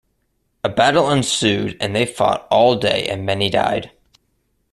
A battle ensued and they fought all day and many died.